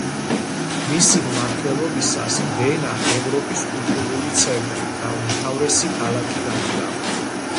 მისი მმართველობისას ვენა ევროპის კულტურული ცენტრი და უმთავრესი ქალაქი გახდა.